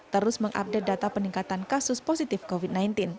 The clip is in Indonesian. terus mengupdate data peningkatan kasus positif covid sembilan belas